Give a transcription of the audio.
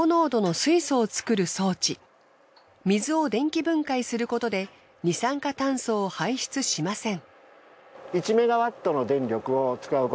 水を電気分解することで二酸化炭素を排出しません。